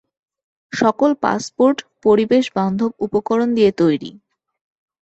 সকল পাসপোর্ট পরিবেশ বান্ধব উপকরণ দিয়ে তৈরি।